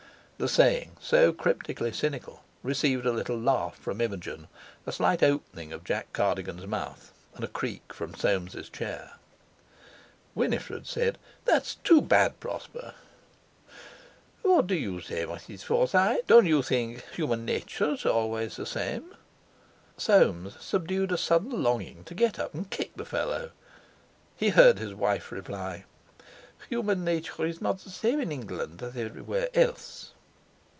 The saying, so cryptically cynical, received a little laugh from Imogen, a slight opening of Jack Cardigan's mouth, and a creak from Soames' chair. Winifred said: "That's too bad, Prosper." "What do you say, Mrs. Forsyde; don't you think human nature's always the same?" Soames subdued a sudden longing to get up and kick the fellow. He heard his wife reply: "Human nature is not the same in England as anywhere else."